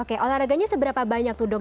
oke olahraganya seberapa banyak tuh dok